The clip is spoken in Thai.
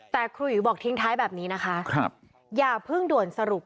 แต่ครูอิ๋วบอกทิ้งท้ายแบบนี้นะคะอย่าเพิ่งด่วนสรุป